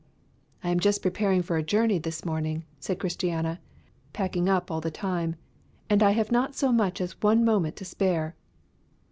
"I am just preparing for a journey this morning," said Christiana, packing up all the time, "and I have not so much as one moment to spare."